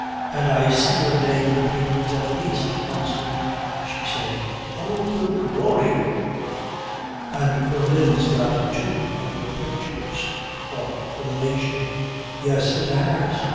"And I see your name in the papers at least once a week," she said. "Oh, the glory!" "And Berlin's got two of your pictures. Bought for the nation." "Yes, it has.